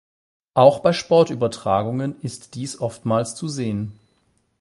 Auch bei Sportübertragungen ist dies oftmals zu sehen.